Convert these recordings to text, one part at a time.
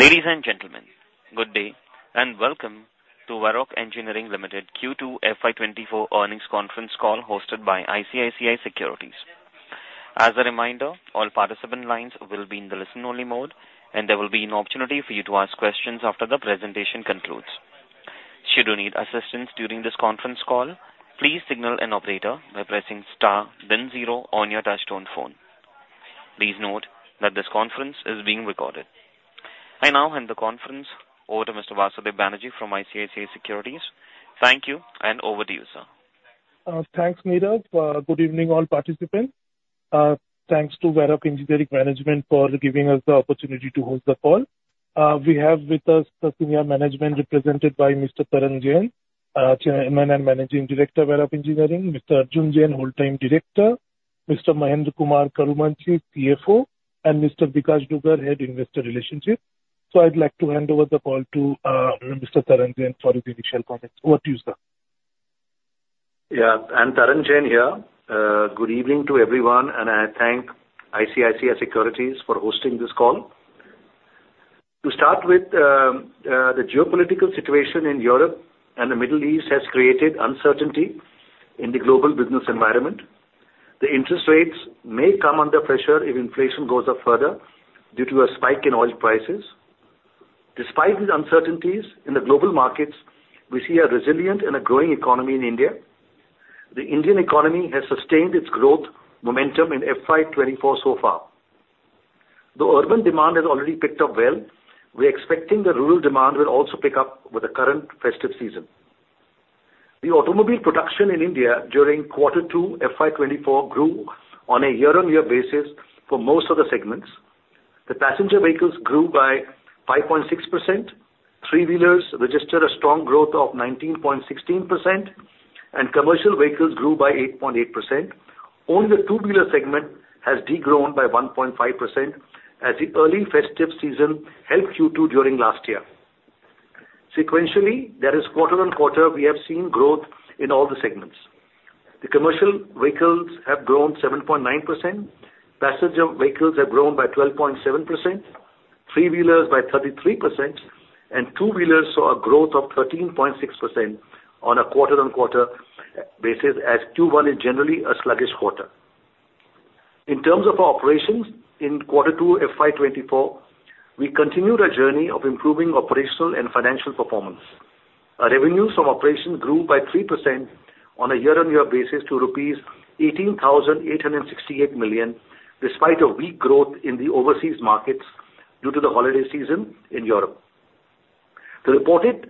Ladies and gentlemen, good day, and welcome to Varroc Engineering Limited Q2 FY24 earnings conference call, hosted by ICICI Securities. As a reminder, all participant lines will be in the listen-only mode, and there will be an opportunity for you to ask questions after the presentation concludes. Should you need assistance during this conference call, please signal an operator by pressing star, then zero on your touchtone phone. Please note that this conference is being recorded. I now hand the conference over to Mr. Basudeb Banerjee from ICICI Securities. Thank you, and over to you, sir. Thanks, Miraj. Good evening, all participants. Thanks to Varroc Engineering management for giving us the opportunity to host the call. We have with us the senior management, represented by Mr. Tarun Jain, Chairman and Managing Director, Varroc Engineering, Mr. Arjun Jain, Whole-time Director, Mr. Mahendra Kumar Karumanchi, CFO, and Mr. Vikas Dugar, Head, Investor Relationships. So I'd like to hand over the call to Mr. Tarun Jain for the initial comments. Over to you, sir. Yeah, I'm Tarang Jain here. Good evening to everyone, and I thank ICICI Securities for hosting this call. To start with, the geopolitical situation in Europe and the Middle East has created uncertainty in the global business environment. The interest rates may come under pressure if inflation goes up further due to a spike in oil prices. Despite these uncertainties in the global markets, we see a resilient and a growing economy in India. The Indian economy has sustained its growth momentum in FY 2024 so far. Though urban demand has already picked up well, we're expecting the rural demand will also pick up with the current festive season. The automobile production in India during quarter 2, FY 2024, grew on a year-on-year basis for most of the segments. The passenger vehicles grew by 5.6%, three-wheelers registered a strong growth of 19.16%, and commercial vehicles grew by 8.8%. Only the two-wheeler segment has de-grown by 1.5%, as the early festive season helped Q2 during last year. Sequentially, that is quarter-on-quarter, we have seen growth in all the segments. The commercial vehicles have grown 7.9%, passenger vehicles have grown by 12.7%, three-wheelers by 33%, and two-wheelers saw a growth of 13.6% on a quarter-on-quarter basis, as Q1 is generally a sluggish quarter. In terms of our operations in quarter two, FY 2024, we continued our journey of improving operational and financial performance. Our revenues from operation grew by 3% on a year-on-year basis to rupees 18,868 million, despite a weak growth in the overseas markets due to the holiday season in Europe. The reported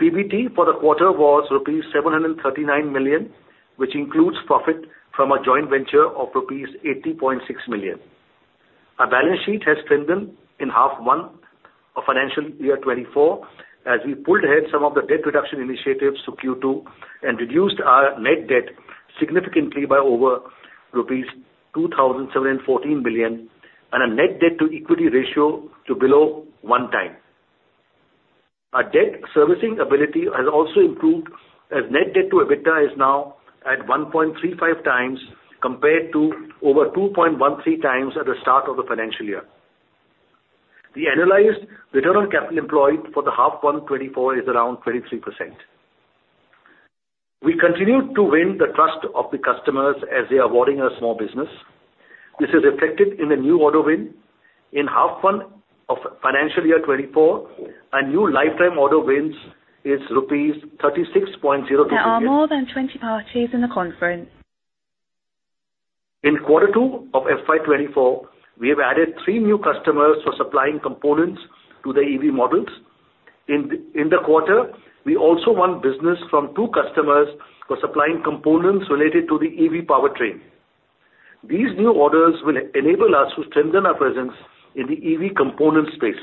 PBT for the quarter was rupees 739 million, which includes profit from a joint venture of rupees 80.6 million. Our balance sheet has strengthened in H1 of financial year 2024, as we pulled ahead some of the debt reduction initiatives to Q2 and reduced our net debt significantly by over rupees 2,714 million, and our net debt-to-equity ratio to below 1x. Our debt servicing ability has also improved, as net debt to EBITDA is now at 1.35x, compared to over 2.13x at the start of the financial year. The annualized return on capital employed for H1 2024 is around 23%. We continue to win the trust of the customers as they are awarding us more business. This is reflected in the new order win. In H1 of FY 2024, our new lifetime order wins is rupees 36.02 billion- There are more than 20 parties in the conference. In quarter 2 of FY 2024, we have added 3 new customers for supplying components to the EV models. In the quarter, we also won business from 2 customers for supplying components related to the EV powertrain. These new orders will enable us to strengthen our presence in the EV component space.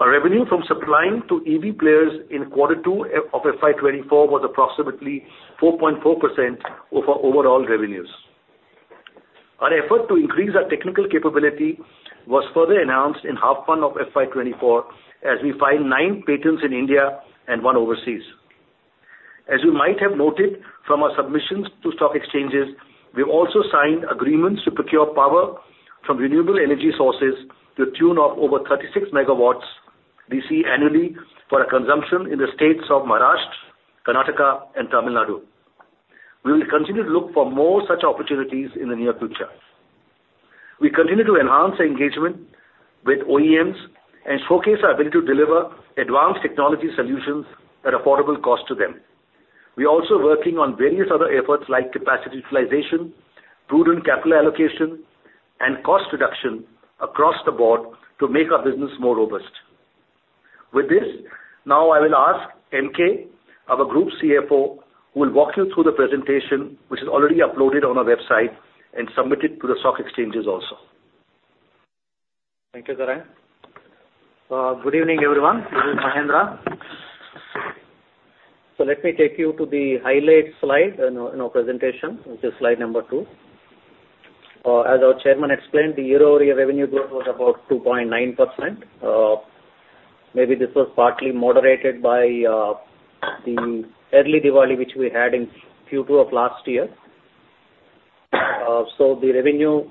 Our revenue from supplying to EV players in quarter 2 of FY 2024 was approximately 4.4% of our overall revenues. Our effort to increase our technical capability was further enhanced in H1 of FY 2024, as we filed 9 patents in India and 1 overseas. As you might have noted from our submissions to stock exchanges, we've also signed agreements to procure power from renewable energy sources to the tune of over 36 megawatts DC annually for our consumption in the states of Maharashtra, Karnataka, and Tamil Nadu. We will continue to look for more such opportunities in the near future. We continue to enhance our engagement with OEMs and showcase our ability to deliver advanced technology solutions at affordable cost to them. We are also working on various other efforts like capacity utilization, prudent capital allocation, and cost reduction across the board to make our business more robust, with this, now I will ask MK, our Group CFO, who will walk you through the presentation, which is already uploaded on our website and submitted to the stock exchanges also. Thank you, Tarun. Good evening, everyone. This is Mahendra. Let me take you to the highlight slide in our presentation, which is slide number 2. As our chairman explained, the year-over-year revenue growth was about 2.9%. Maybe this was partly moderated by the early Diwali, which we had in Q2 of last year. The revenue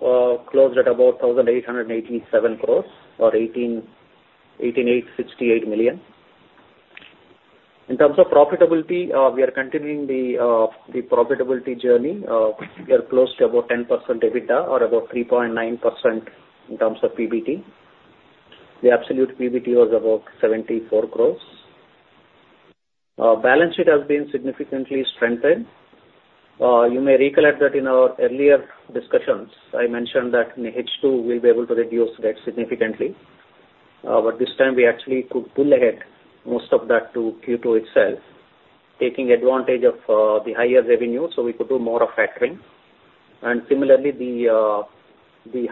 closed at about 1,887 crores, or $188.68 million. In terms of profitability, we are continuing the profitability journey. We are close to about 10% EBITDA, or about 3.9% in terms of PBT. The absolute PBT was about 74 crores. Balance sheet has been significantly strengthened. You may recollect that in our earlier discussions, I mentioned that in H2 we'll be able to reduce debt significantly. This time we actually could pull ahead most of that to Q2 itself, taking advantage of the higher revenue, so we could do more of factoring. And similarly, the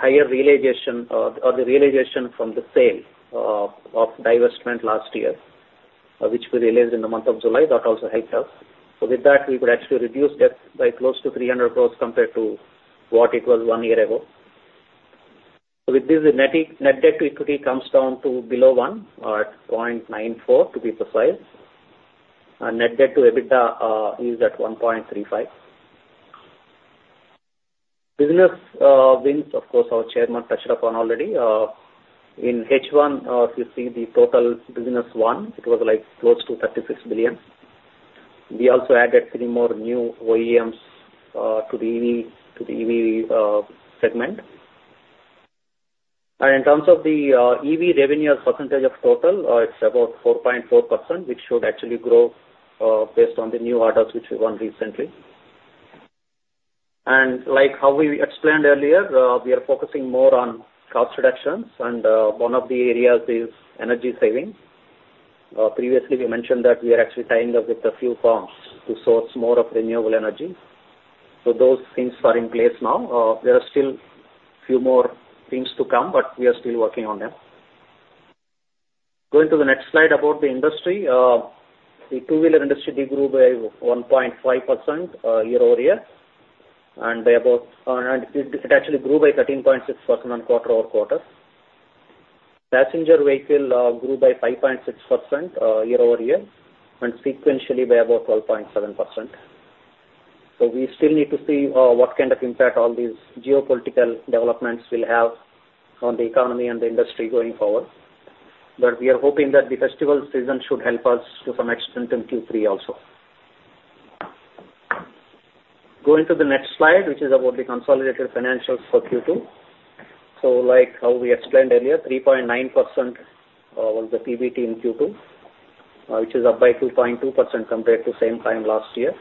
higher realization or the realization from the sale of divestment last year, which we realized in the month of July, that also helped us. With that, we could actually reduce debt by close to 300 crore compared to what it was one year ago. So with this, the net debt to equity comes down to below one, or at 0.94, to be precise, and net debt to EBITDA is at 1.35. Business wins, of course, our chairman touched upon already. In H1, if you see the total business won, it was like close to 36 billion. We also added three more new OEMs to the EV segment. In terms of the EV revenue as percentage of total, it's about 4.4%, which should actually grow based on the new orders which we won recently. Like how we explained earlier, we are focusing more on cost reductions, and one of the areas is energy saving. Previously we mentioned that we are actually tying up with a few firms to source more of renewable energy. Those things are in place now. There are still few more things to come, but we are still working on them. Going to the next slide about the industry. The two-wheeler industry de-grew by 1.5%, year-over-year, and by about, and it actually grew by 13.6% on quarter-over-quarter. Passenger vehicle grew by 5.6%, year-over-year, and sequentially by about 12.7%. We still need to see what kind of impact all these geopolitical developments will have on the economy and the industry going forward. We are hoping that the festival season should help us to some extent in Q3 also. Going to the next slide, which is about the consolidated financials for Q2, so like how we explained earlier, 3.9% was the PBT in Q2, which is up by 2.2% compared to same time last year.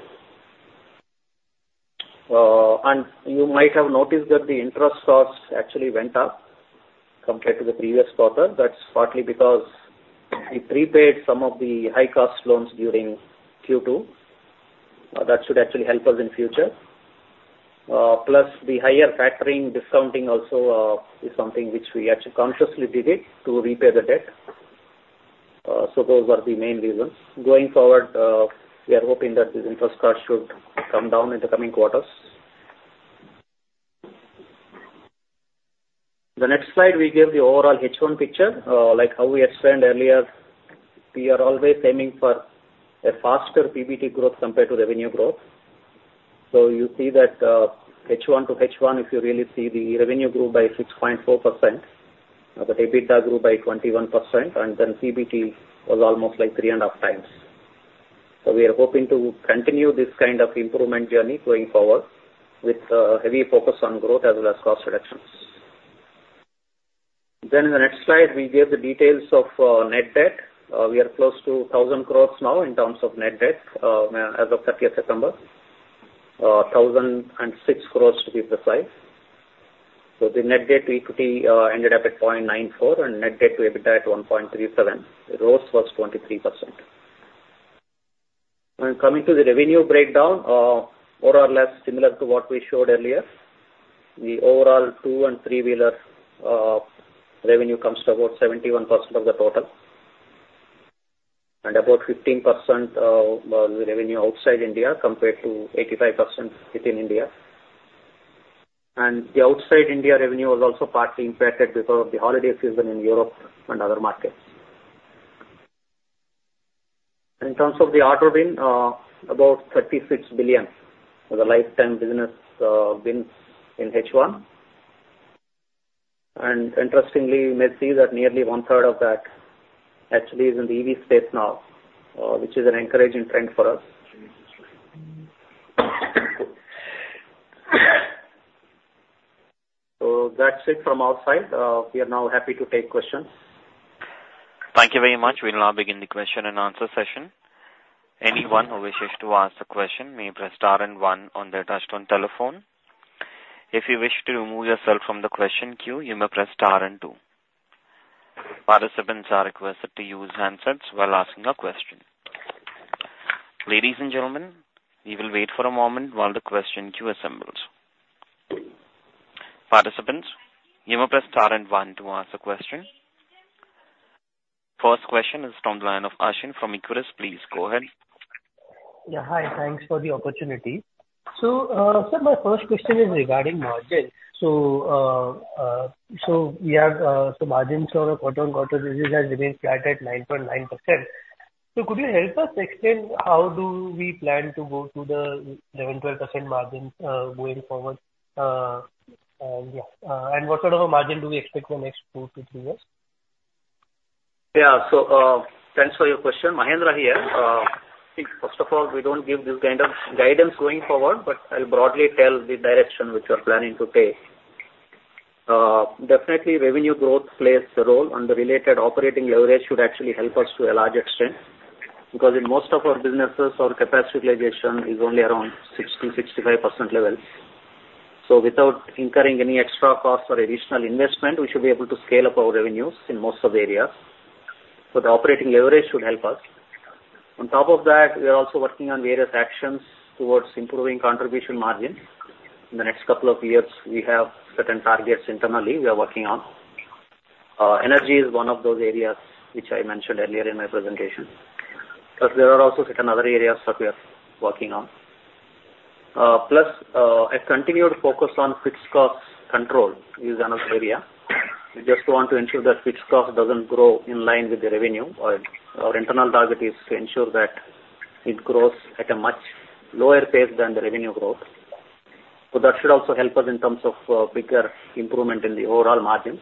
You might have noticed that the interest costs actually went up compared to the previous quarter. That's partly because we prepaid some of the high-cost loans during Q2. That should actually help us in future. Plus the higher factoring discounting also is something which we actually consciously did it to repay the debt. Those are the main reasons. Going forward, we are hoping that this interest cost should come down in the coming quarters. The next slide, we give the overall H1 picture. Like how we explained earlier, we are always aiming for a faster PBT growth compared to revenue growth. You see that, H1 to H1, if you really see, the revenue grew by 6.4%, but EBITDA grew by 21%, and then PBT was almost like 3.5x. We are hoping to continue this kind of improvement journey going forward, with heavy focus on growth as well as cost reductions. In the next slide, we gave the details of net debt. We are close to 1,000 crores now in terms of net debt, as of 30th September. 1,006 crores, to be precise. The net debt to equity ended up at 0.94, and net debt to EBITDA at 1.37. It rose 23%. Coming to the revenue breakdown, more or less similar to what we showed earlier. The overall two- and three-wheeler revenue comes to about 71% of the total, and about 15% was the revenue outside India, compared to 85% within India. The outside India revenue was also partly impacted because of the holiday season in Europe and other markets. In terms of the order win, about 36 billion was the lifetime business wins in H1. Interestingly, you may see that nearly one-third of that actually is in the EV space now, which is an encouraging trend for us. That's it from our side. We are now happy to take questions. Thank you very much. We'll now begin the question and answer session. Anyone who wishes to ask a question may press star and one on their touchtone telephone. If you wish to remove yourself from the question queue, you may press star and two. Participants are requested to use handsets while asking a question. Ladies and gentlemen, we will wait for a moment while the question queue assembles. Participants, you may press star and one to ask a question. First question is from the line of Ashin Modi from Equirus Securities. Please, go ahead. Yeah, hi, thanks for the opportunity. Sir, my first question is regarding margins. Margins on a quarter-over-quarter, this has remained flat at 9.9%. Could you help us explain how do we plan to go to the 11%-12% margin, going forward? Yeah, and what sort of a margin do we expect the next two to three years? Yeah.Thanks for your question, Mahendra, here. I think first of all, we don't give this kind of guidance going forward, but I'll broadly tell the direction which we are planning to take. Definitely revenue growth plays a role, and the related operating leverage should actually help us to a large extent, because in most of our businesses, our capacity utilization is only around 60-65% levels. Without incurring any extra cost or additional investment, we should be able to scale up our revenues in most of the areas. The operating leverage should help us. On top of that, we are also working on various actions towards improving contribution margin. In the next couple of years, we have certain targets internally we are working on. Energy is one of those areas which I mentioned earlier in my presentation. There are also certain other areas that we are working on. Plus, a continued focus on fixed cost control is another area. We just want to ensure that fixed cost doesn't grow in line with the revenue, or our internal target is to ensure that it grows at a much lower pace than the revenue growth. That should also help us in terms of bigger improvement in the overall margins,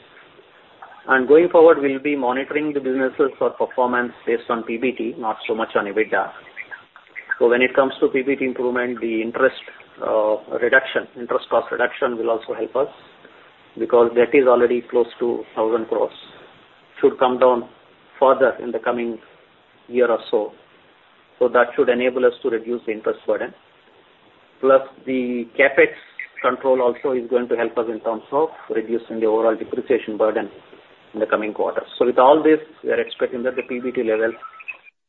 and going forward, we'll be monitoring the businesses for performance based on PBT, not so much on EBITDA. So when it comes to PBT improvement, the interest reduction, interest cost reduction will also help us, because that is already close to 1,000 crore. Should come down further in the coming year or so. That should enable us to reduce the interest burden, plus the CapEx control also is going to help us in terms of reducing the overall depreciation burden in the coming quarters. With all this, we are expecting that the PBT levels,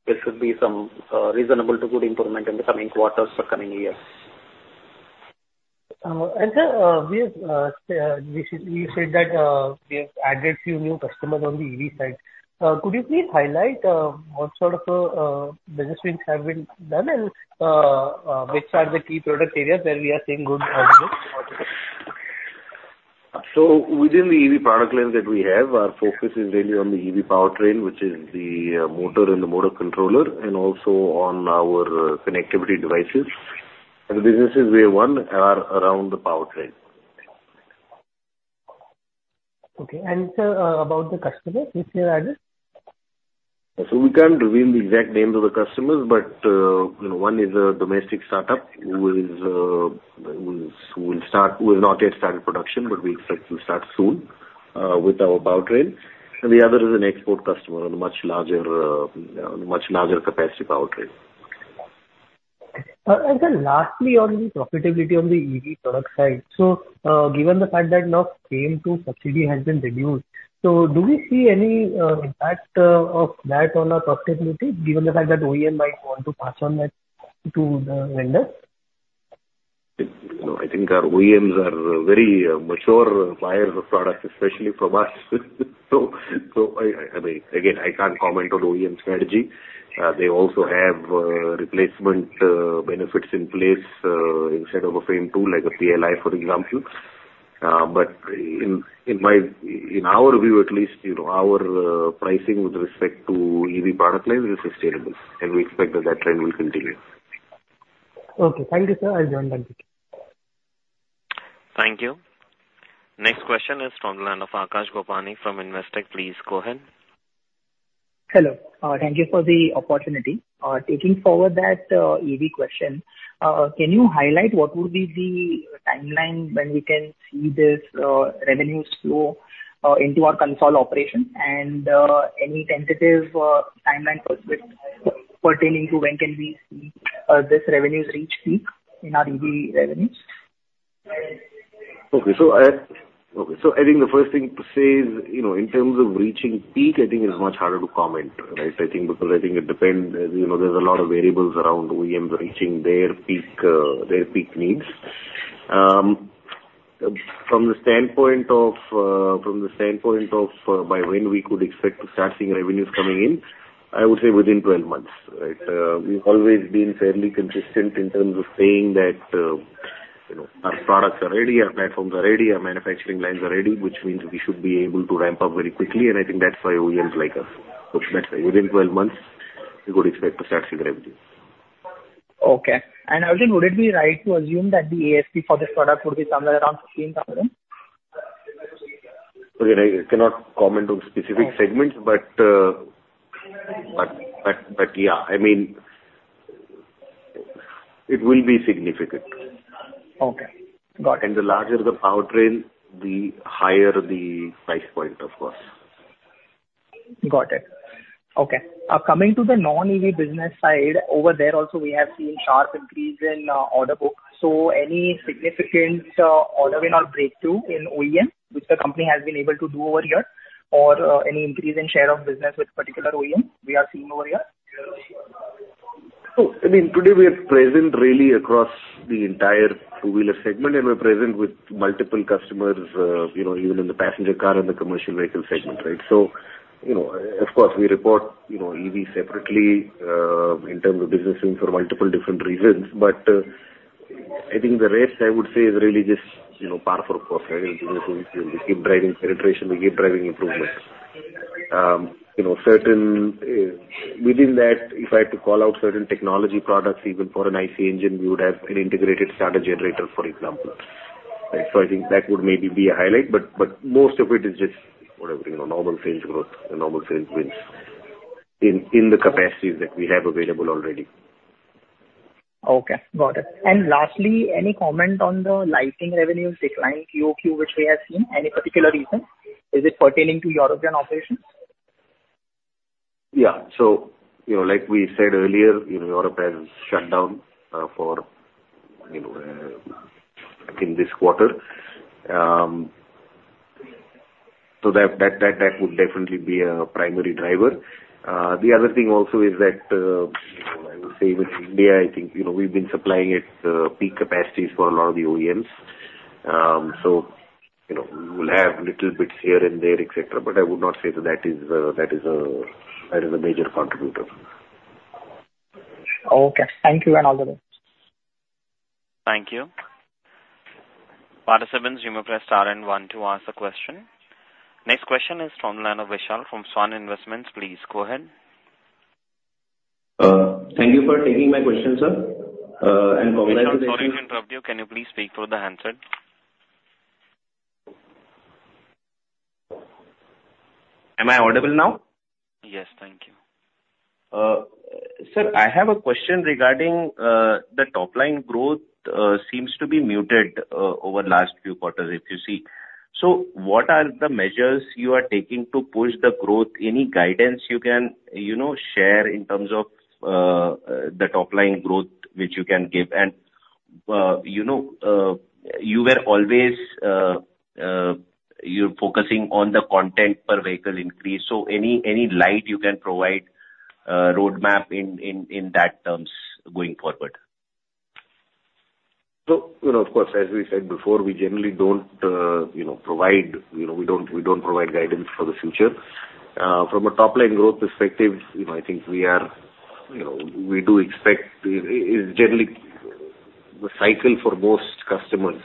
there should be some, reasonable to good improvement in the coming quarters for coming years. Sir, you said that we have added few new customers on the EV side. Could you please highlight what sort of business wins have been done, and which are the key product areas where we are seeing good progress? Within the EV product line that we have, our focus is really on the EV Powertrain, which is the motor and the Motor Controller, and also on our connectivity devices. The businesses we have won are around the powertrain. Okay. Sir, about the customers, which you have added? We can't reveal the exact names of the customers, but, you know, one is a domestic startup who has not yet started production, but we expect to start soon with our powertrain. And the other is an export customer, a much larger capacity powertrain. Then lastly, on the profitability on the EV product side. Given the fact that now FAME-II subsidy has been reduced, do we see any impact of that on our profitability, given the fact that OEM might want to pass on that to the vendor? No, I think our OEMs are very mature buyers of products, especially from us. So, I mean, again, I can't comment on OEM strategy. They also have replacement benefits in place, instead of a FAME II, like a PLI, for example. But in our view, at least, you know, our pricing with respect to EV product line is sustainable, and we expect that that trend will continue. Okay. Thank you, sir. I join back. Thank you. Next question is from the line of Akash Gopani from Investec. Please go ahead. Hello. Thank you for the opportunity. Taking forward that EV question, can you highlight what would be the timeline when we can see this revenue flow into our console operation? And any tentative timeline perspective pertaining to when can we see this revenues reach peak in our EV revenues? Okay, I think the first thing to say is, you know, in terms of reaching peak, I think it's much harder to comment, right? I think because, I think it depends, as you know, there's a lot of variables around OEMs reaching their peak, their peak needs. From the standpoint of, from the standpoint of, by when we could expect to start seeing revenues coming in, I would say within 12 months, right? We've always been fairly consistent in terms of saying that, you know, our products are ready, our platforms are ready, our manufacturing lines are ready, which means we should be able to ramp up very quickly, and I think that's why OEMs like us. That's why within 12 months, we could expect to start seeing revenue. Okay. And Arjun, would it be right to assume that the ASP for this product would be somewhere around 15,000? Again, I cannot comment on specific segments, but yeah, I mean, it will be significant. Okay. Got it. The larger the powertrain, the higher the price point, of course. Got it. Okay, coming to the non-EV business side, over there also, we have seen sharp increase in order book. So any significant order win or breakthrough in OEM, which the company has been able to do over here, or any increase in share of business with particular OEM we are seeing over here? I mean, today we are present really across the entire two-wheeler segment, and we're present with multiple customers, you know, even in the passenger car and the commercial vehicle segment, right? So, you know, of course, we report, you know, EV separately, in terms of business wins for multiple different reasons. I think the rates, I would say, is really just, you know, par for course, right? We keep driving penetration, we keep driving improvement. You know, certain, within that, if I had to call out certain technology products, even for an IC engine, we would have an Integrated Starter Generator, for example. Right, so I think that would maybe be a highlight, but, but most of it is just, you know, normal sales growth and normal sales wins in, in the capacities that we have available already. Okay, got it. Lastly, any comment on the lighting revenues decline QOQ, which we have seen? Any particular reason? Is it pertaining to European operations? Yeah. You know, like we said earlier, you know, Europe has shut down for, you know, in this quarter. So that would definitely be a primary driver. The other thing also is that I would say with India, I think, you know, we've been supplying at peak capacities for a lot of the OEMs. You know, we'll have little bits here and there, et cetera, et cetera, but I would not say that is a major contributor. Okay. Thank you, and all the best. Thank you. Participants, you may press star and one to ask a question. Next question is from the line of Vishal from Swan Investments. Please go ahead. Thank you for taking my question, sir. Vishal, sorry to interrupt you. Can you please speak through the handset? Am I audible now? Yes. Thank you. Sir, I have a question regarding the top line growth, which seems to be muted over last few quarters, if you see. So what are the measures you are taking to push the growth? Any guidance you can, you know, share in terms of the top line growth, which you can give? And you know, you were always, you're focusing on the content per vehicle increase, so any light you can provide, roadmap in that terms going forward? You know, of course, as we said before, we generally don't, you know, provide, you know, we don't, we don't provide guidance for the future. From a top line growth perspective, you know, I think we are, you know, we do expect... it's generally the cycle for most customers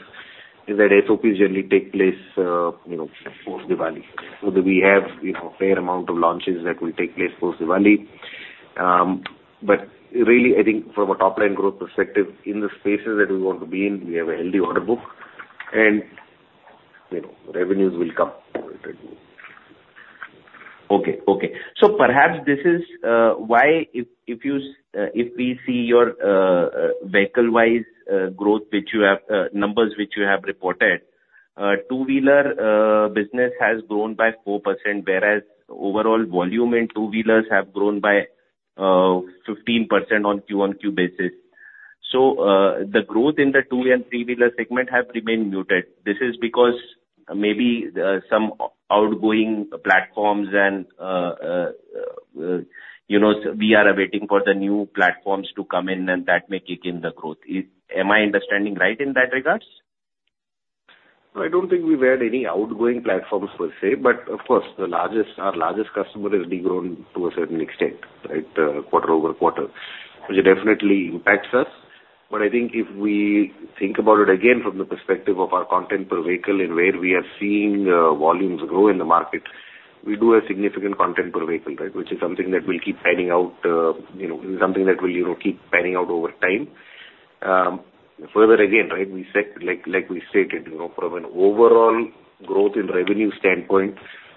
is that SOPs generally take place, you know, post Diwali, so that we have, you know, a fair amount of launches that will take place post Diwali. But really, I think from a top line growth perspective, in the spaces that we want to be in, we have a healthy order book and, you know, revenues will come with it. Okay. Okay. Perhaps this is why if, if you, if we see your, vehicle-wise, growth, which you have, numbers which you have reported, two-wheeler business has grown by 4%, whereas overall volume in two-wheelers have grown by 15% on QoQ basis, so, the growth in the two and three-wheeler segment have remained muted. This is because maybe, some outgoing platforms and, you know, we are awaiting for the new platforms to come in and that may kick in the growth. Am I understanding right in that regards? I don't think we've had any outgoing platforms per se, but of course, the largest, our largest customer has degrown to a certain extent, right, quarter over quarter, which definitely impacts us. But I think if we think about it again from the perspective of our content per vehicle and where we are seeing, volumes grow in the market, we do have significant content per vehicle, right? Which is something that we keep panning out, you know, something that we'll, you know, keep panning out over time. Further, again, right, we said, like we stated, you know, from an overall growth in revenue standpoint,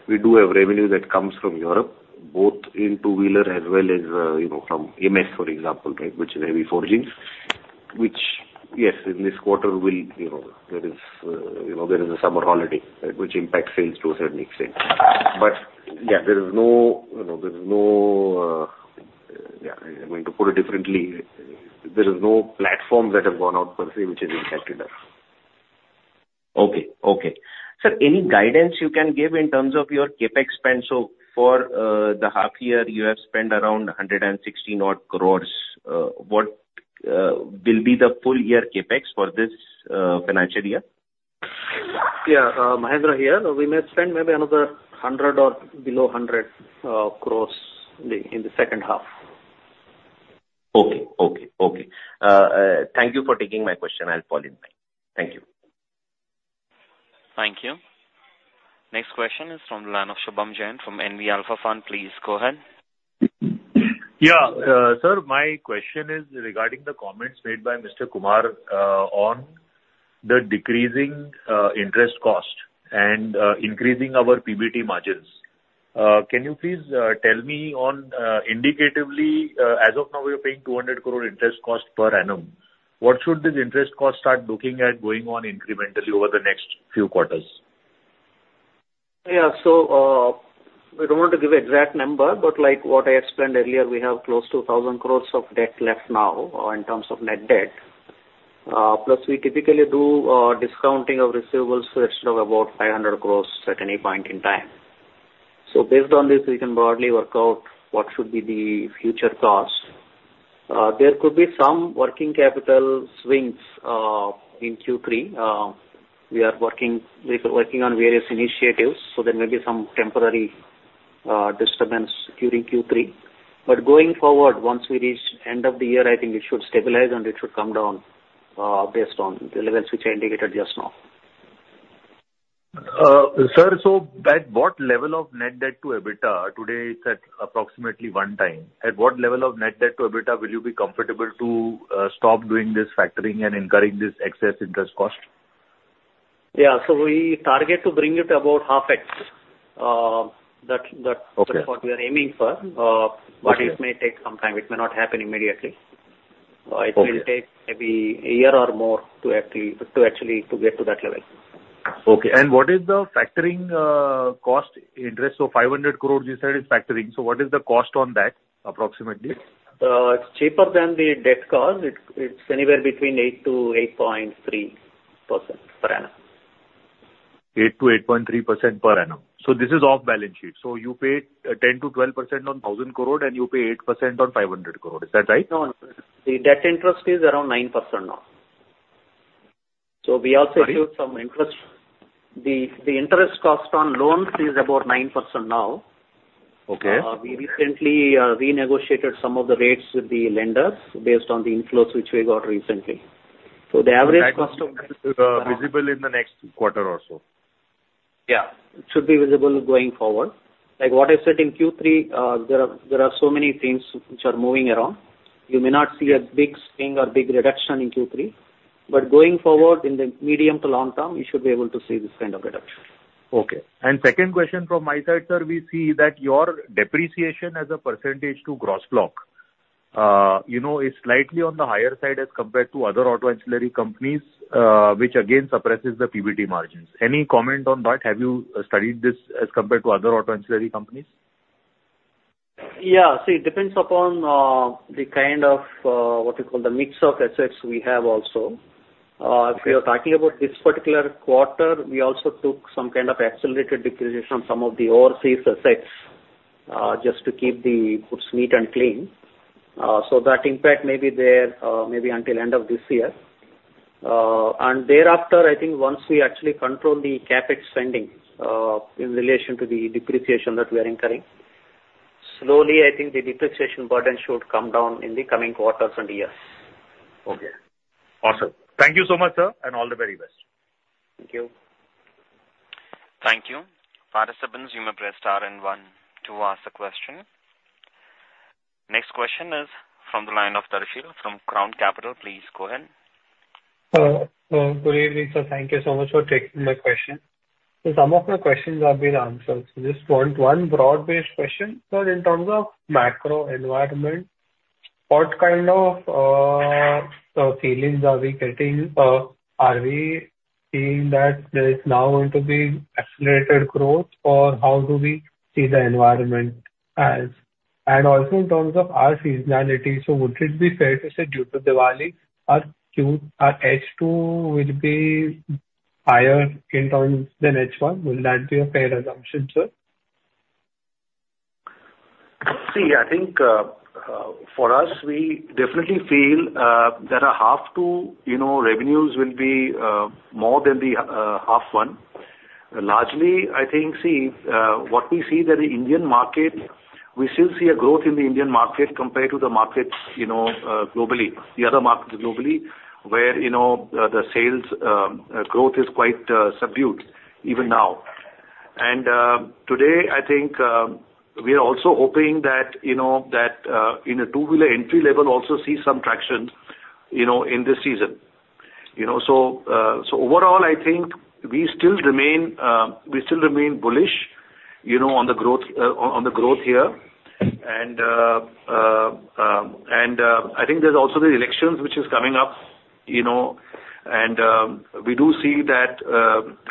we do have revenue that comes from Europe, both in two-wheeler as well as, you know, from IMES, for example, right, which is heavy forging. Which, yes, in this quarter will, you know... There is, you know, there is a summer holiday, right, which impacts sales to a certain extent, but yeah, there is no, you know, there is no... Yeah, I'm going to put it differently. There is no platforms that have gone out per se, which has impacted us. Sir, any guidance you can give in terms of your CapEx spend? So for the half year, you have spent around 160 odd crores. What will be the full year CapEx for this financial year? Yeah, Mahendra here. We may spend maybe another 100 crores or below 100 crores in the second half. Okay. Okay. Okay. Thank you for taking my question. I'll follow in back. Thank you. Thank you. Next question is from the line of Shubham Jain from NV Alpha Fund. Please go ahead. Yeah. Sir, my question is regarding the comments made by Mr. Kumar on the decreasing interest cost and increasing our PBT margins. Can you please tell me, indicatively, as of now, we are paying 200 crore interest cost per annum. What should this interest cost start looking at going on incrementally over the next few quarters? Yeah. We don't want to give exact number, but like what I explained earlier, we have close to 1,000 crore of debt left now, in terms of net debt. Plus, we typically do discounting of receivables to the tune of about 500 crore at any point in time. Based on this, we can broadly work out what should be the future cost. There could be some working capital swings in Q3. We are working on various initiatives, so there may be some temporary disturbance during Q3. Going forward, once we reach end of the year, I think it should stabilize and it should come down, based on the levels which I indicated just now. Sir, so at what level of net debt to EBITDA, today it's at approximately one time. At what level of net debt to EBITDA will you be comfortable to stop doing this factoring and incurring this excess interest cost? Yeah. So we target to bring it about 0.5x. Okay. That's what we are aiming for. Okay. But it may take some time. It may not happen immediately. Okay. It will take maybe a year or more to actually get to that level. Okay. And what is the factoring, cost interest? So 500 crore you said is factoring, so what is the cost on that, approximately? It's cheaper than the debt cost. It's anywhere between 8%-8.3% per annum. 8%-8.3% per annum. So this is off balance sheet. So you pay 10%-12% on 1,000 crore, and you pay 8% on 500 crore. Is that right? No, the debt interest is around 9% now. So we also took- Sorry? some interest. The interest cost on loans is about 9% now. Okay. We recently renegotiated some of the rates with the lenders based on the inflows which we got recently. So the average cost of- And that cost of visible in the next quarter or so? Yeah, it should be visible going forward. Like what I said, in Q3, there are so many things which are moving around. You may not see a big thing or big reduction in Q3, but going forward in the medium to long term, you should be able to see this kind of reduction. Okay. And second question from my side, sir. We see that your depreciation as a percentage to gross block, you know, is slightly on the higher side as compared to other auto ancillary companies, which again suppresses the PBT margins. Any comment on that? Have you studied this as compared to other auto ancillary companies? Yeah. See, it depends upon the kind of what you call the mix of assets we have also. If you're talking about this particular quarter, we also took some kind of accelerated depreciation on some of the overseas assets, just to keep the books neat and clean. So that impact may be there, maybe until end of this year. And thereafter, I think once we actually control the CapEx spending, in relation to the depreciation that we are incurring, slowly, I think the depreciation burden should come down in the coming quarters and years. Okay. Awesome. Thank you so much, sir, and all the very best. Thank you. Thank you. Participants, you may press star and one to ask a question. Next question is from the line of Tarshil from Crown Capital. Please go ahead. Good evening, sir. Thank you so much for taking my question. Some of my questions have been answered. So just one, one broad-based question. Sir, in terms of macro environment, what kind of feelings are we getting? Are we seeing that there is now going to be accelerated growth, or how do we see the environment as? And also in terms of our seasonality, so would it be fair to say due to Diwali, our Q- our H2 will be higher in terms than H1? Will that be a fair assumption, sir? See, I think, for us, we definitely feel, that our half two, you know, revenues will be, more than the, half one. Largely, I think, see, what we see that the Indian market, we still see a growth in the Indian market compared to the markets, you know, globally, the other markets globally, where, you know, the sales, growth is quite, subdued even now. And, today, I think, we are also hoping that, you know, that, in a two-wheeler entry level also see some traction, you know, in this season. You know, so, so overall, I think we still remain, we still remain bullish, you know, on the growth, on, on the growth here. I think there's also the elections which is coming up, you know, and we do see that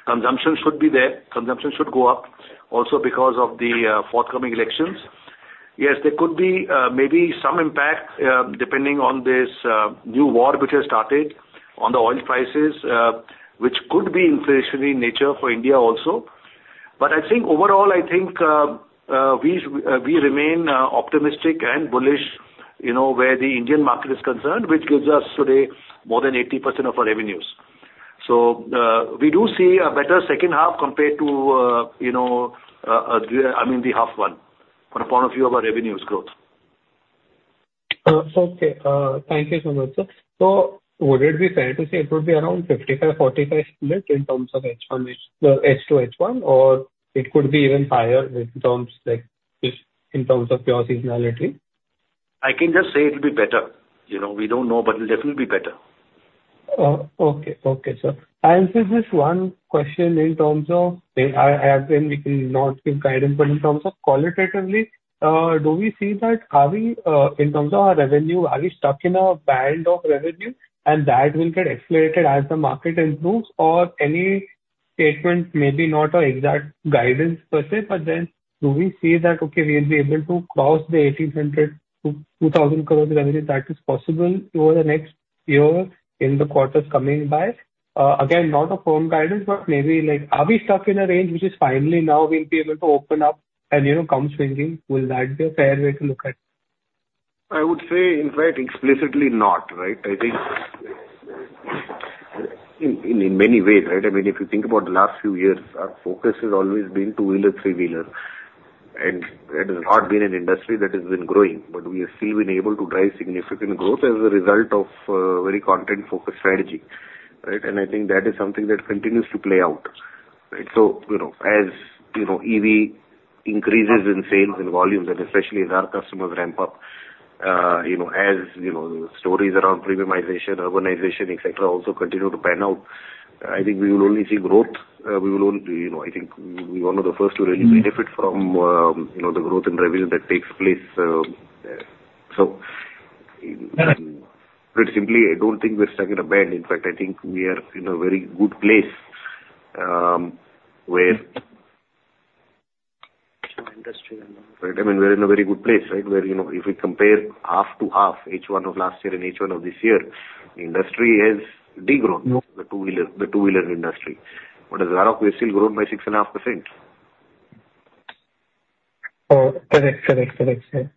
consumption should be there. Consumption should go up also because of the forthcoming elections. Yes, there could be maybe some impact depending on this new war which has started on the oil prices, which could be inflationary in nature for India also, but I think overall, I think we remain optimistic and bullish, you know, where the Indian market is concerned, which gives us today more than 80% of our revenues. So we do see a better second half compared to, you know, I mean, the half one, from the point of view of our revenues growth. Okay. Thank you so much, sir. So would it be fair to say it would be around 55-45 split in terms of H1, H2, H1, or it could be even higher in terms like, just in terms of pure seasonality? I can just say it'll be better. You know, we don't know, but it'll definitely be better. Okay. Okay, sir. I'll say just one question in terms of, I, I understand we cannot give guidance, but in terms of qualitatively, do we see that are we, in terms of our revenue, are we stuck in a band of revenue and that will get accelerated as the market improves? Or any statement, maybe not an exact guidance per se, but then do we see that, okay, we'll be able to cross the 1,800 crore-2,000 crore revenue that is possible over the next year in the quarters coming by? Again, not a firm guidance, but maybe like, are we stuck in a range which is finally now we'll be able to open up and, you know, come swinging? Will that be a fair way to look at it? I would say, in fact, explicitly not, right? I think- In many ways, right? I mean, if you think about the last few years, our focus has always been two-wheeler, three-wheeler, and that has not been an industry that has been growing. We have still been able to drive significant growth as a result of very content-focused strategy, right? And I think that is something that continues to play out, right? So, you know, as you know, EV increases in sales and volume, and especially as our customers ramp up, you know, as you know, stories around premiumization, urbanization, et cetera, also continue to pan out, I think we will only see growth. We will only, you know, I think we're one of the first to really benefit from you know, the growth in revenue that takes place, so- Correct. Pretty simply, I don't think we're stuck in a band. In fact, I think we are in a very good place, where- No industry. Right. I mean, we're in a very good place, right? Where, you know, if we compare half to half, H1 of last year and H1 of this year, the industry has degrown. No. The two-wheeler industry. But we've still grown by 6.5%. Oh, correct, correct, correct, sir.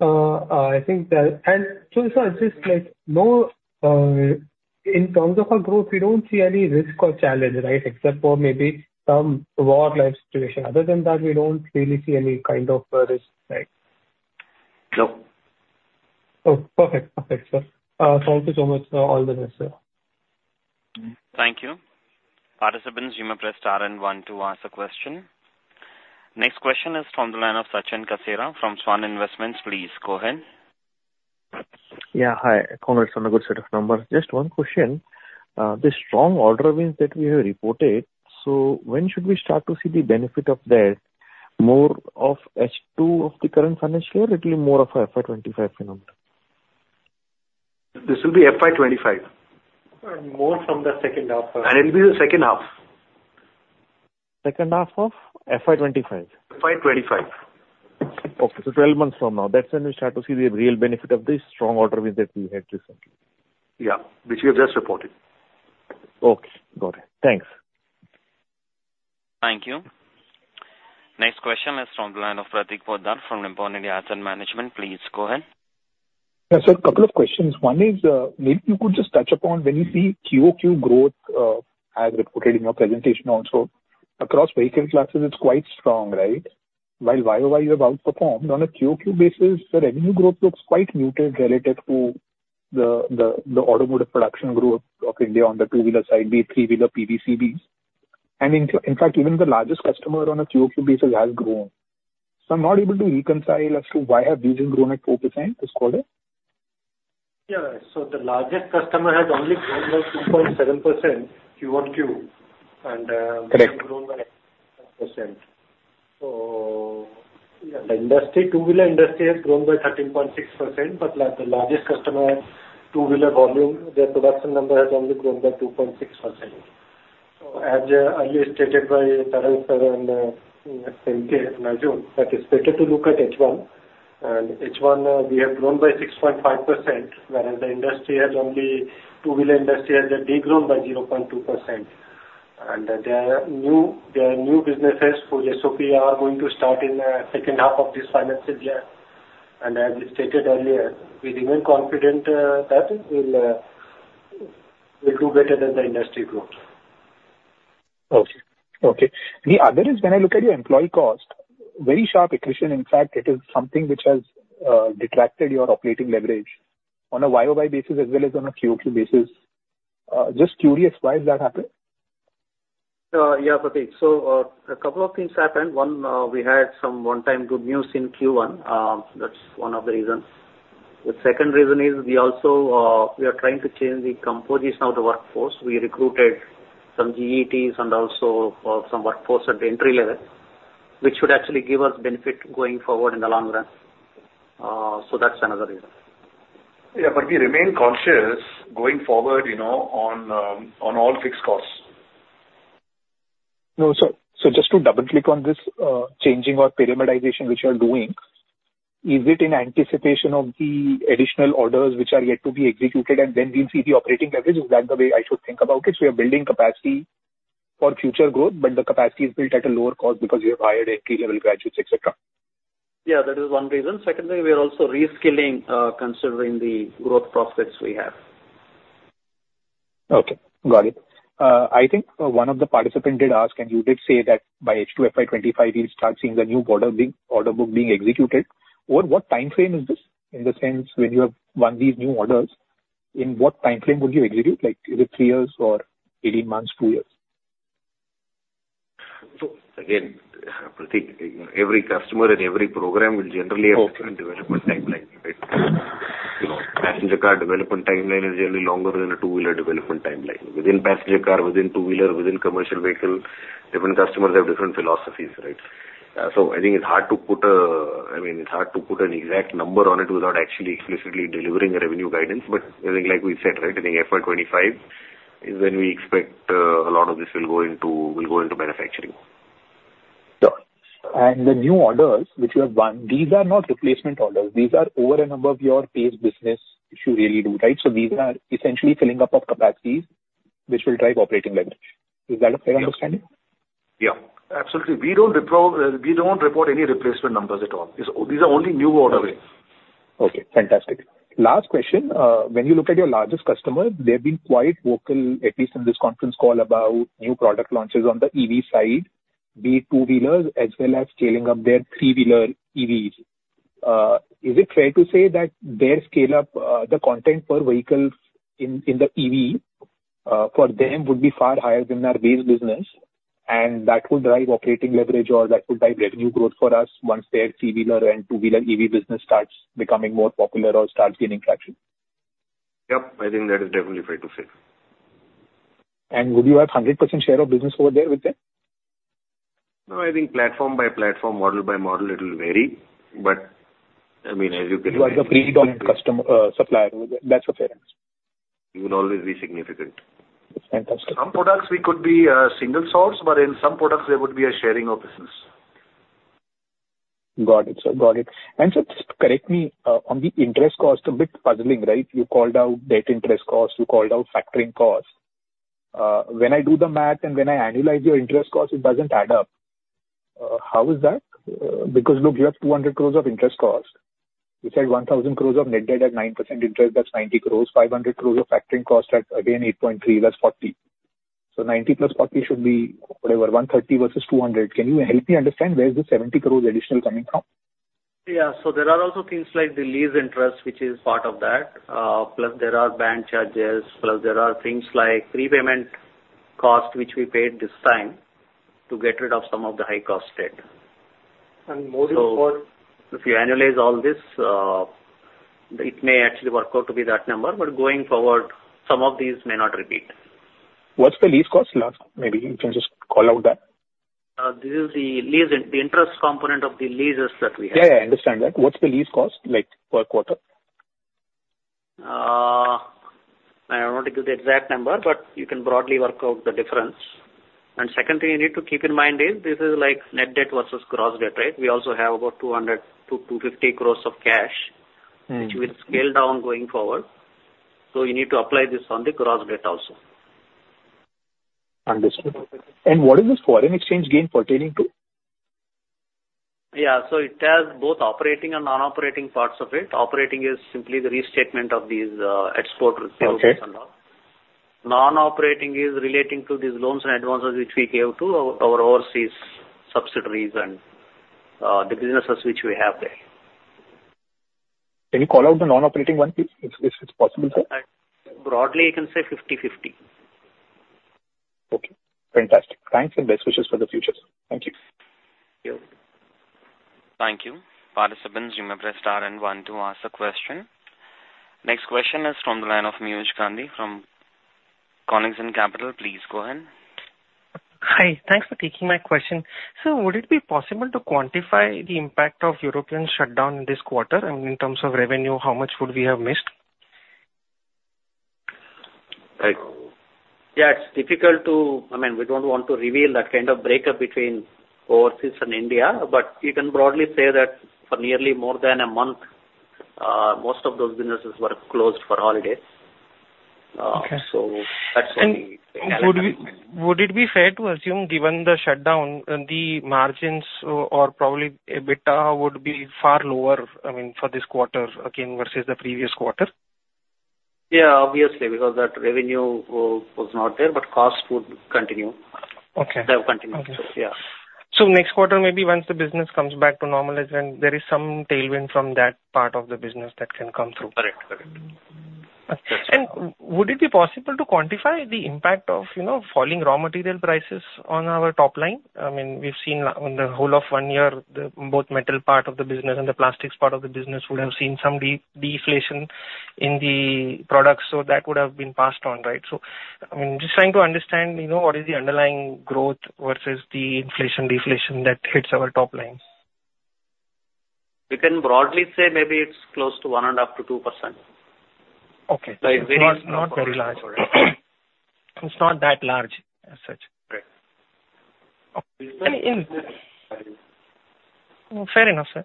I think that... And so, so it's just, like, no, in terms of our growth, we don't see any risk or challenge, right? Except for maybe some war-like situation. Other than that, we don't really see any kind of, risk, right? No. Oh, perfect. Perfect, sir. Thank you so much, sir. All the best, sir. Thank you. Participants, you may press star and one to ask a question. Next question is from the line of Sachin Kasera from Swan Investments. Please go ahead. Yeah, hi. Congratulations on a good set of numbers. Just one question. The strong order wins that we have reported, so when should we start to see the benefit of that, more of H2 of the current financial year, it will be more of a FY 25 phenomenon? This will be FY 2025. More from the second half. It will be the second half. Second half of FY 2025? FY twenty-five. Okay,12 months from now, that's when we start to see the real benefit of this strong order wins that we had recently? Yeah, which we have just reported. Okay, got it. Thanks. Thank you. Next question is from the line of Pratik Poddar from Nippon India Asset Management. Please go ahead. Yes, sir. A couple of questions. One is, maybe you could just touch upon when you see QOQ growth, as reported in your presentation also, across vehicle classes, it's quite strong, right? While YOY you have outperformed, on a QOQ basis, the revenue growth looks quite muted relative to the automotive production growth of India on the two-wheeler side, be it three-wheeler, PVs, CVs. And in fact, even the largest customer on a QOQ basis has grown. So I'm not able to reconcile as to why have we then grown at 4% this quarter. Yeah. The largest customer has only grown by 2.7% QOQ, and Correct. grown by percent. So, yeah, the industry, two-wheeler industry has grown by 13.6%, but the largest customer, two-wheeler volume, their production number has only grown by 2.6%. So as earlier stated by Tarun, sir, and MK, that it's better to look at H1, and H1, we have grown by 6.5%, whereas the industry has only, two-wheeler industry has degrown by 0.2%. And there are new, there are new businesses for SOP are going to start in second half of this financial year. As we stated earlier, we remain confident that we'll do better than the industry growth. Okay, okay. The other is when I look at your employee cost, very sharp accretion. In fact, it is something which has detracted your operating leverage on a year-over-year basis as well as on a quarter-over-quarter basis. Just curious, why has that happened? Yeah, Pratik. So, a couple of things happened. One, we had some one-time good news in Q1. That's one of the reasons. The second reason is we also, we are trying to change the composition of the workforce. We recruited some GETs and also, some workforce at the entry level, which should actually give us benefit going forward in the long run. So that's another reason. Yeah, but we remain conscious going forward, you know, on, on all fixed costs. No, so just to double-click on this, changing or parameterization which you are doing, is it in anticipation of the additional orders which are yet to be executed, and then we'll see the operating leverage? Is that the way I should think about it? So you're building capacity for future growth, but the capacity is built at a lower cost because you have hired entry-level graduates, et cetera. Yeah, that is one reason. Secondly, we are also reskilling, considering the growth prospects we have. Okay, got it. I think one of the participants did ask, and you did say that by H2 FY25, you'll start seeing the new order being, order book being executed. Over what timeframe is this? In the sense, when you have won these new orders, in what timeframe would you execute, like, either three years or 18 months, two years? Again, Pratik, every customer and every program will generally- Okay. have different development timeline, right? You know, passenger car development timeline is generally longer than a two-wheeler development timeline. Within passenger car, within two-wheeler, within commercial vehicle, different customers have different philosophies, right? So I think it's hard to put a... I mean, it's hard to put an exact number on it without actually explicitly delivering a revenue guidance. I think like we said, right, I think FY 25 is when we expect, a lot of this will go into, will go into manufacturing. Sure. And the new orders which you have won, these are not replacement orders. These are over and above your base business, which you really do, right? So these are essentially filling up of capacities which will drive operating leverage. Is that a fair understanding? Yeah, absolutely. We don't report any replacement numbers at all. These are, these are only new order wins.... Okay, fantastic. Last question, when you look at your largest customer, they've been quite vocal, at least in this conference call, about new product launches on the EV side, be it two-wheelers as well as scaling up their three-wheeler EVs. Is it fair to say that their scale up, the content per vehicle in the EV, for them would be far higher than their base business, and that could drive operating leverage or that could drive revenue growth for us once their three-wheeler and two-wheeler EV business starts becoming more popular or starts gaining traction? Yep, I think that is definitely fair to say. Would you have 100% share of business over there with them? No, I think platform by platform, model by model, it will vary. But, I mean, as you can- You are the preferred customer, supplier over there. That's fair. We would always be significant. Fantastic. Some products we could be single source, but in some products there would be a sharing of business. Got it, sir. Got it. Sir, just correct me on the interest cost, a bit puzzling, right? You called out debt interest cost, you called out factoring cost. When I do the math and when I annualize your interest cost, it doesn't add up. How is that? Because look, you have 200 crore of interest cost. You said 1,000 crore of net debt at 9% interest, that's 90 crore. 500 crore of factoring cost at, again, 8.3%, that's 40 crore. 90 plus 40 should be, whatever, 130 crore versus 200 crore. Can you help me understand where is this 70 crore additional coming from? Yeah. There are also things like the lease interest, which is part of that. Plus there are bank charges, plus there are things like prepayment cost, which we paid this time to get rid of some of the high-cost debt. And more so for- If you annualize all this, it may actually work out to be that number, but going forward, some of these may not repeat. What's the lease cost last? Maybe you can just call out that? This is the lease and the interest component of the leases that we have. Yeah, yeah, I understand that. What's the lease cost, like, per quarter? I don't want to give the exact number, but you can broadly work out the difference. And second thing you need to keep in mind is this is like net debt versus gross debt, right? We also have about 200 crore-250 crore of cash- Mm-hmm. which will scale down going forward. You need to apply this on the gross debt also. Understood. What is this foreign exchange gain pertaining to? Yeah, so it has both operating and non-operating parts of it. Operating is simply the restatement of these export sales. Okay. Non-operating is relating to these loans and advances which we gave to our overseas subsidiaries and the businesses which we have there. Can you call out the non-operating one, please, if it's possible, sir? Broadly, you can say 50/50. Okay, fantastic. Thanks, and best wishes for the future. Thank you. Thank you. Thank you. Participants, you may press star and one to ask a question. Next question is from the line of Piyush Gandhi from Kovill Capital. Please go ahead. Hi, thanks for taking my question. Would it be possible to quantify the impact of European shutdown in this quarter, and in terms of revenue, how much would we have missed? Right. Yeah, it's difficult to... I mean, we don't want to reveal that kind of breakup between overseas and India, but you can broadly say that for nearly more than a month, most of those businesses were closed for holidays. Okay. So that's what we- Would we, would it be fair to assume, given the shutdown, the margins or probably EBITDA would be far lower, I mean, for this quarter, again, versus the previous quarter? Yeah, obviously, because that revenue was not there, but costs would continue. Okay. They'll continue. Okay. Yeah. Next quarter, maybe once the business comes back to normalization, there is some tailwind from that part of the business that can come through? Correct, correct. And would it be possible to quantify the impact of, you know, falling raw material prices on our top line? I mean, we've seen on the whole of one year, the both metal part of the business and the plastics part of the business would have seen some deflation in the products, so that would have been passed on, right? So, I'm just trying to understand, you know, what is the underlying growth versus the inflation/deflation that hits our top line. We can broadly say maybe it's close to 1% and up to 2%. Okay. It's very- Not very large. It's not that large, as such. Right. Fair enough, sir.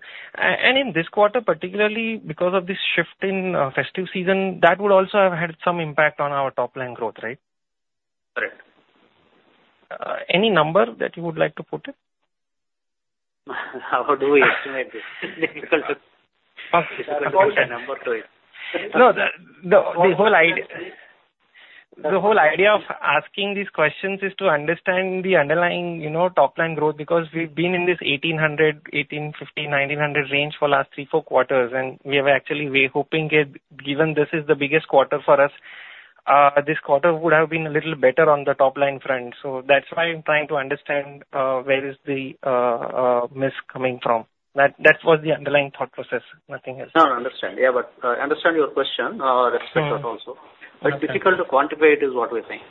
in this quarter, particularly because of this shift in festive season, that would also have had some impact on our top line growth, right? Correct. Any number that you would like to put in? How do we estimate this? Difficult to- Okay. give a number to it. No, the whole idea of asking these questions is to understand the underlying, you know, top-line growth, because we've been in this 1,800, 1,850, 1,900 range for last three, four quarters, and we are actually, we're hoping that given this is the biggest quarter for us, this quarter would have been a little better on the top-line front., so that's why I'm trying to understand where is the miss coming from. That was the underlying thought process, nothing else. No, I understand. Yeah, but I understand your question, respect that also. Mm-hmm. But difficult to quantify, it is what we're saying.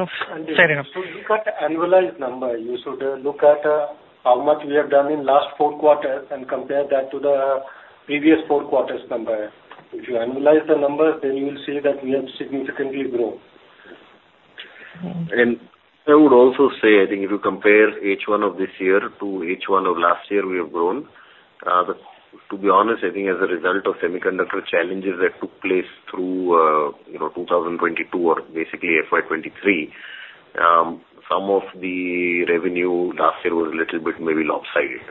Fair enough. To look at the annualized number, you should look at how much we have done in last four quarters and compare that to the previous four quarters number. If you annualize the numbers, then you will see that we have significantly grown. I would also say, I think if you compare H1 of this year to H1 of last year, we have grown. But to be honest, I think as a result of semiconductor challenges that took place through, you know, 2022 or basically FY 2023, some of the revenue last year was a little bit maybe lopsided.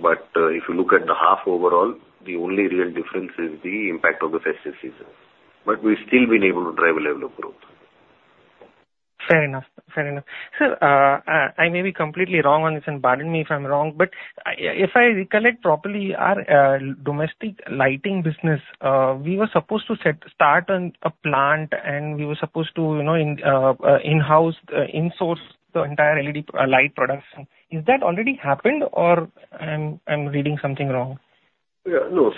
If you look at the half overall, the only real difference is the impact of the festive season. We've still been able to drive a level of growth. Fair enough. Fair enough. Sir, I may be completely wrong on this, and pardon me if I'm wrong, but if I recollect properly, our domestic lighting business, we were supposed to start on a plant, and we were supposed to, you know, in-house in-source the entire LED light production. Is that already happened, or I'm reading something wrong? Yeah, no.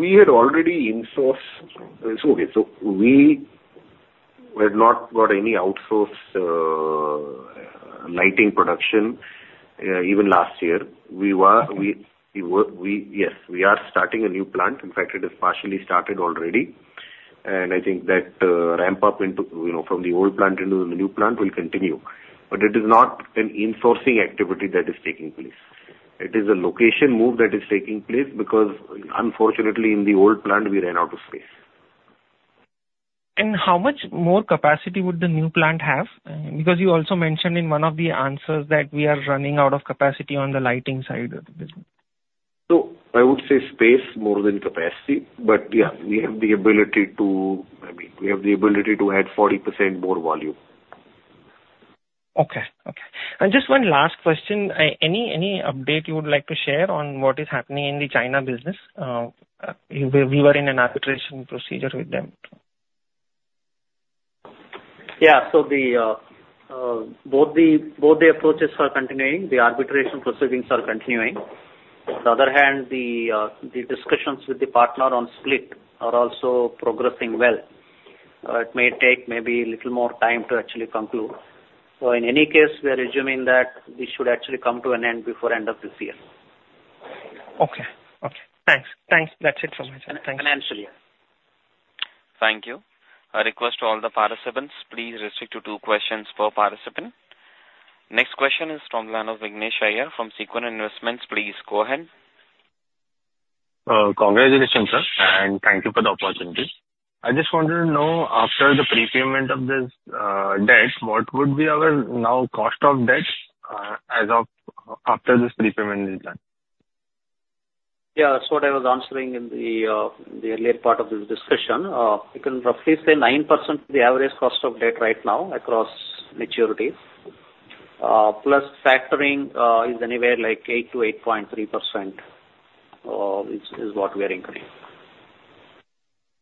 We had already in-sourced... So, okay, so we had not got any outsourced lighting production even last year. Yes, we are starting a new plant. In fact, it is partially started already, and I think that ramp-up into, you know, from the old plant into the new plant will continue. It is not an in-sourcing activity that is taking place. It is a location move that is taking place because, unfortunately, in the old plant, we ran out of space. How much more capacity would the new plant have? Because you also mentioned in one of the answers that we are running out of capacity on the lighting side of the business. I would say space more than capacity, but yeah, we have the ability to, I mean, we have the ability to add 40% more volume. Just one last question. Any update you would like to share on what is happening in the China business? We were in an arbitration procedure with them. Yeah. Both the approaches are continuing. The arbitration proceedings are continuing. On the other hand, the discussions with the partner on split are also progressing well. It may take maybe a little more time to actually conclude. So in any case, we are assuming that this should actually come to an end before end of this year. Okay. Okay. Thanks. Thanks. That's it from my side. Thanks. Thanks, Julia. Thank you. A request to all the participants, please restrict to two questions per participant. Next question is from the line of Vignesh Iyer from Sequent Investments. Please go ahead. Congratulations, sir, and thank you for the opportunity. I just wanted to know, after the prepayment of this debt, what would be our now cost of debt, as of after this prepayment is done? Yeah, that's what I was answering in the, in the earlier part of this discussion. You can roughly say 9% the average cost of debt right now across maturities. Plus factoring, is anywhere like 8%-8.3%, which is what we are including.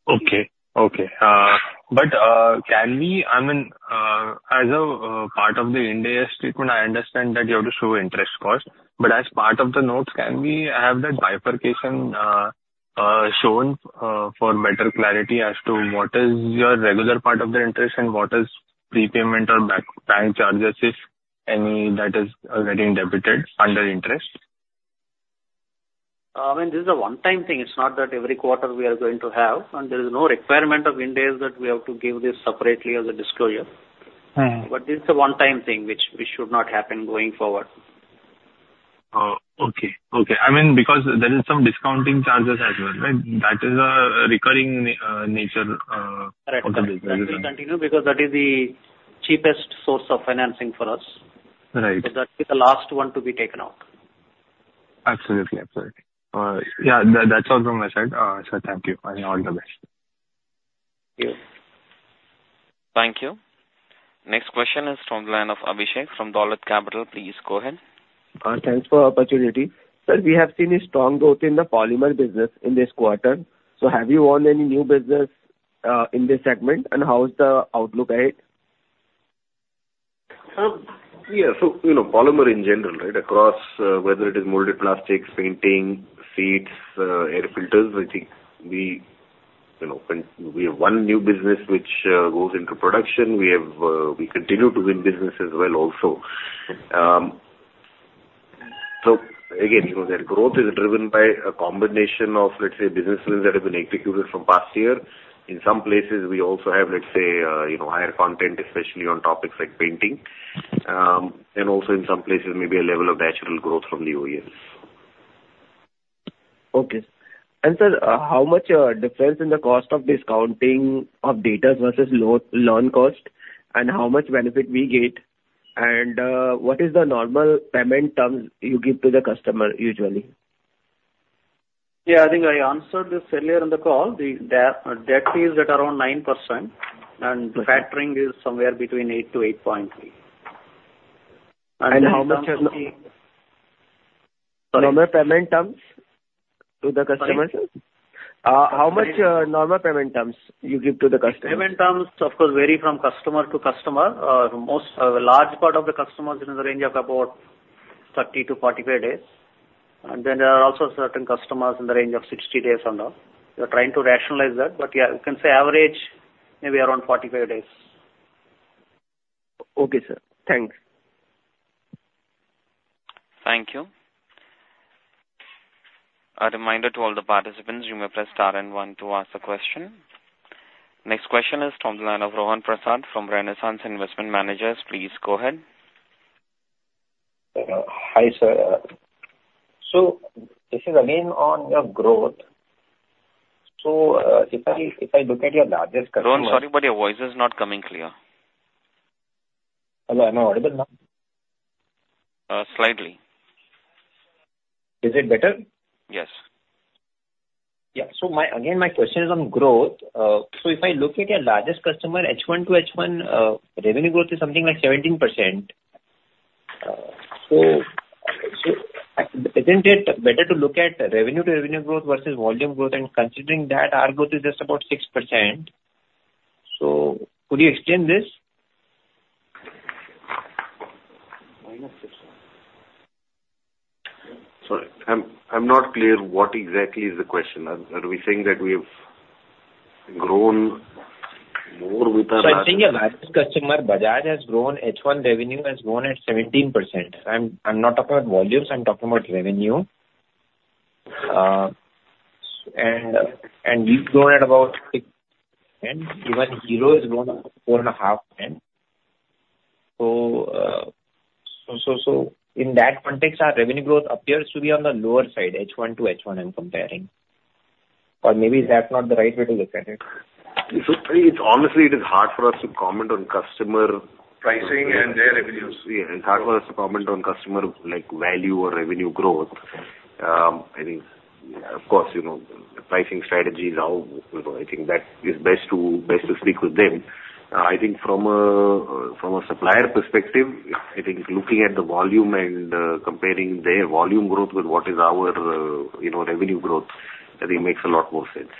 Okay. Okay. Can we, I mean, as a part of the India statement, I understand that you have to show interest cost, but as part of the notes, can we have that bifurcation shown for better clarity as to what is your regular part of the interest and what is prepayment or back time charges, if any, that is already debited under interest? I mean, this is a one-time thing. It's not that every quarter we are going to have, and there is no requirement of Ind AS that we have to give this separately as a disclosure. Mm-hmm. This is a one-time thing which should not happen going forward. Okay. Okay. I mean, because there is some discounting charges as well, right? That is a recurring nature, Correct. That will continue because that is the cheapest source of financing for us. Right. That'll be the last one to be taken out. Absolutely. Absolutely. Yeah, that, that's all from my side. So thank you and all the best. Thank you. Thank you. Next question is from the line of Abhishek from Dolat Capital. Please go ahead. Thanks for the opportunity. Sir, we have seen a strong growth in the polymer business in this quarter. Have you won any new business in this segment? And how is the outlook ahead? Yeah, so you know, polymer in general, right, across, whether it is molded plastics, painting, seats, air filters, I think we, you know, when we have one new business which goes into production, we have, we continue to win business as well also. Again, you know, that growth is driven by a combination of, let's say, businesses that have been executed from past year. In some places we also have, let's say, you know, higher content, especially on topics like painting, and also in some places, maybe a level of natural growth from the OEMs. Okay. And sir, how much difference in the cost of discounting of debtors versus loan cost, and how much benefit we get? And, what is the normal payment terms you give to the customer usually? Yeah, I think I answered this earlier in the call. The debt, debt is at around 9%, and factoring is somewhere between 8%-8.3%. How much is the- Sorry? Normal payment terms to the customers? Sorry? How much normal payment terms you give to the customers? Payment terms, of course, vary from customer to customer. Most large part of the customers is in the range of about 30-45 days. And then there are also certain customers in the range of 60 days and all. We're trying to rationalize that, but yeah, you can say average, maybe around 45 days. Okay, sir. Thanks. Thank you. A reminder to all the participants, you may press star and one to ask a question. Next question is from the line of Rohan Prasad from Renaissance Investment Managers. Please go ahead.... Hi, sir. This is again on your growth. If I, if I look at your largest customer- Rohan, sorry, but your voice is not coming clear. Hello, am I audible now? Uh, slightly. Is it better? Yes. Yeah. My, again, my question is on growth. So if I look at your largest customer, H1 to H1, revenue growth is something like 17%. So isn't it better to look at revenue to revenue growth versus volume growth? And considering that, our growth is just about 6%. So could you explain this? Sorry, I'm not clear what exactly is the question. Are we saying that we've grown more with our- I'm saying your largest customer, Bajaj, has grown, H1 revenue has grown at 17%. I'm not talking about volumes, I'm talking about revenue. And we've grown at about 6%, and even Hero has grown at 4.5%. So in that context, our revenue growth appears to be on the lower side, H1 to H1, I'm comparing. Or maybe that's not the right way to look at it. It's honestly, it is hard for us to comment on customer- Pricing and their revenues. Yeah, and it's hard for us to comment on customer like value or revenue growth. I think, of course, you know, the pricing strategy is how... You know, I think that is best to speak with them. I think from a supplier perspective, I think looking at the volume and comparing their volume growth with what is our, you know, revenue growth, I think makes a lot more sense.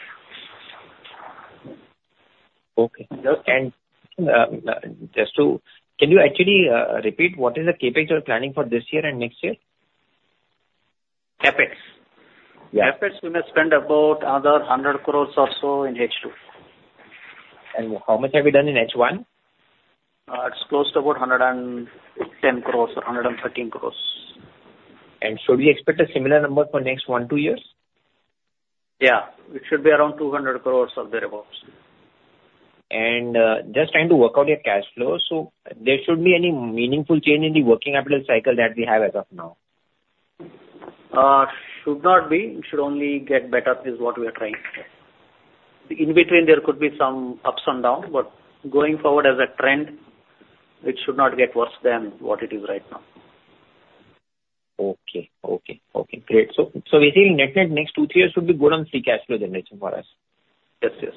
Okay. Can you actually repeat what is the CapEx you're planning for this year and next year? CapEx? Yeah. CapEx, we may spend about another 100 crore or so in H2. How much have you done in H1? It's close to about 110 crores or 113 crores. Should we expect a similar number for next 1-2 years? Yeah, it should be around 200 crore, or thereabouts. Just trying to work out your cash flow. So there should be any meaningful change in the working capital cycle that we have as of now? Should not be. It should only get better, is what we are trying to say. In between, there could be some ups and downs, but going forward as a trend, it should not get worse than what it is right now. Okay, great. We're seeing net-net next 2-3 years should be good on free cash flow generation for us? Yes, yes.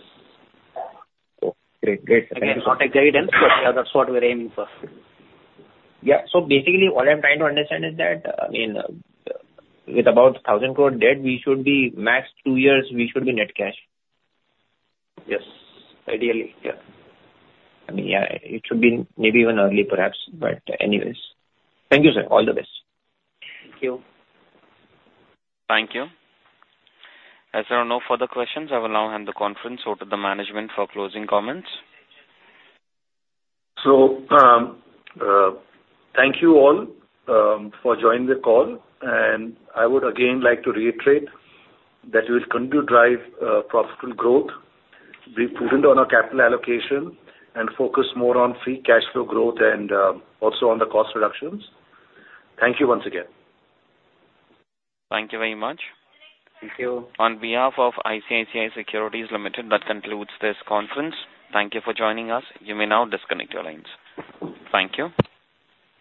Cool. Great, great. Again, not exactly, but yeah, that's what we're aiming for. Yeah. So basically, what I'm trying to understand is that, I mean, with about 1,000 crore debt, we should be max two years, we should be net cash. Yes. Ideally, yeah. I mean, yeah, it should be maybe even early, perhaps, but anyways. Thank you, sir. All the best. Thank you. Thank you. As there are no further questions, I will now hand the conference over to the management for closing comments. Thank you all for joining the call, and I would again like to reiterate that we'll continue to drive profitable growth, be prudent on our capital allocation, and focus more on free cash flow growth and also on the cost reductions. Thank you once again. Thank you very much. Thank you. On behalf of ICICI Securities Limited, that concludes this conference. Thank you for joining us. You may now disconnect your lines. Thank you.